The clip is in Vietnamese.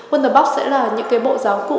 wonder box sẽ là những cái bộ giáo cụ